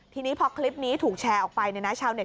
ทีนี้พอคลิปนี้ถูกแชร์ออกไปในชาวเน็ต